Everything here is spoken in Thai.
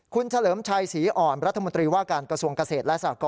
คุณเฉลิมชายศรีอ่อนรัฐมนตรีว่าการกระทรวงกเศษ